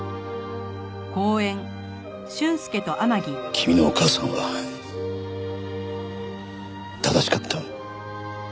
君のお母さんは正しかった。